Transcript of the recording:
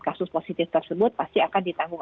kasus positif tersebut pasti akan ditanggung